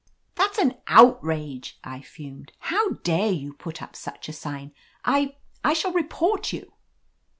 "That's an outrage," I fumed. "How dare you put up such a sign! I — ^I shall report you!"